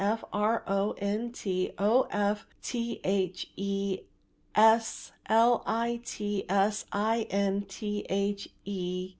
f. r. o. n. t. o. f. t. h. e. s. l. i. t. s. i. n. t. h. e.